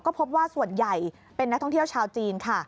ก็พบว่าส่วนใหญ่เป็นนักท่องเที่ยวชาวจีนค่ะ